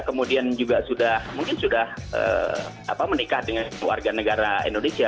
kemudian juga sudah mungkin sudah menikah dengan warga negara indonesia